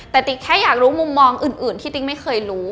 แต่ติ๊กแค่อยากรู้มุมมองอื่นที่ติ๊กไม่เคยรู้